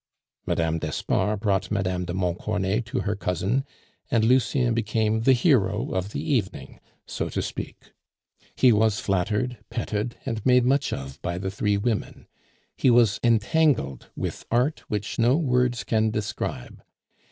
Mme. d'Espard brought Mme. de Montcornet to her cousin, and Lucien became the hero of the evening, so to speak. He was flattered, petted, and made much of by the three women; he was entangled with art which no words can describe.